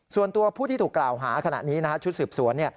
ส่วนตัวผู้ที่ถูกกล่าวหาขณะนี้ชุดสืบสวน